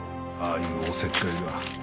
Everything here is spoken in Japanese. あいうおせっかいが。